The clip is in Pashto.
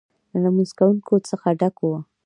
له لمونځ کوونکو څخه ډک و.